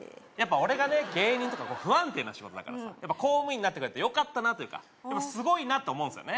俺が芸人とか不安定な仕事だからさやっぱ公務員になってくれてよかったなというかすごいなと思うんですよね